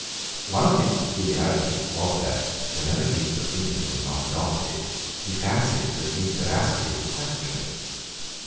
One of his peculiarities was that, whenever his opinion was not adopted, he fancied that his veracity was questioned.